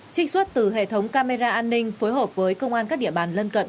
trích xuất từ hệ thống camera an ninh phối hợp với công an các địa bàn lân cận